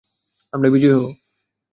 আমরাই বিজয়ী হব।